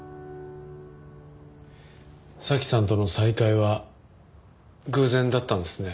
早紀さんとの再会は偶然だったんですね。